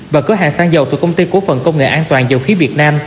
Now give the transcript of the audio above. và cửa hàng xăng dầu từ công ty cố phần công nghệ an toàn dầu khí việt nam